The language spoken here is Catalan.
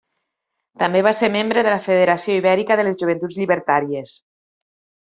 També va ser membre de la Federació Ibèrica de les Joventuts Llibertàries.